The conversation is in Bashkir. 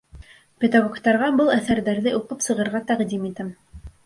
Педагогтарға был әҫәрҙәрҙе уҡып сығырға тәҡдим итәм.